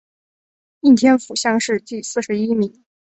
应天府乡试第四十一名。